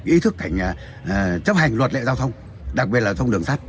ý thức chấp hành luật lệ giao thông đặc biệt là thông đường sắt